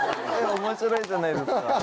面白いじゃないですか。